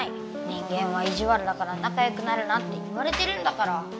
「人間はイジワルだからなかよくなるな」って言われてるんだから。